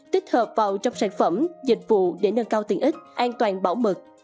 tích hợp vào trong sản phẩm dịch vụ để nâng cao tiền ít an toàn bảo mật